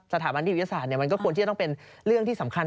สถาบันนิติวิทยาศาสตร์มันก็ควรที่จะต้องเป็นเรื่องที่สำคัญ